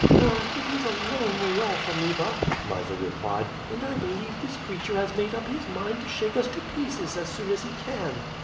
"Ah! it is a long way off, Amuba," Mysa replied; "and I believe this creature has made up his mind to shake us to pieces as soon as he can."